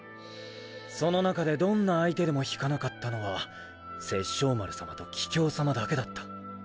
その中でどんな相手でも退かなかったのは殺生丸さまと桔梗さまだけだった。